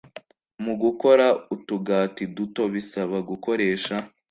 Mu gukora utugati duto bisaba gukoresha